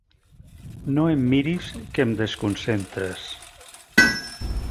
No em miris que em desconcentres.